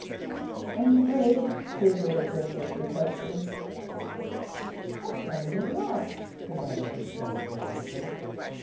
"I'm afraid," he admitted, when closely questioned. "Afraid of what?" demanded his counsellor, sharply.